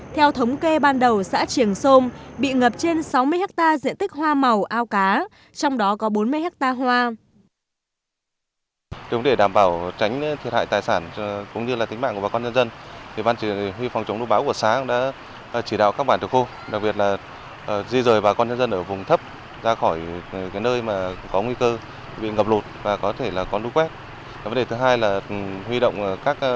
theo thống kê ban đầu xã triển sôn bị ngập trên sáu mươi hectare diện tích hoa màu ao cá trong đó có bốn mươi hectare hoa